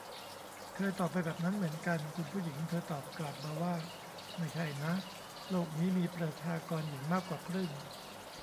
เคยตอบไปแบบนั้นเหมือนกัน คุณผู้หญิงเธอตอบกลับมาว่า ไม่ใช่นะ โลกนี้มีประชากรหญิงมากกว่าครึ่ง !